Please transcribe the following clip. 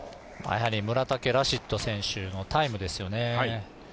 やはり村竹ラシッド選手のタイムですよね。